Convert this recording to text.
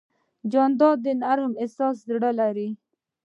جانداد د نرم احساس زړه لري.